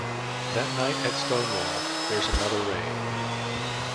That night at Stonewall there's another raid.